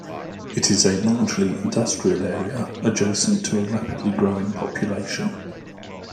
It is a largely industrial area adjacent to a rapidly growing population.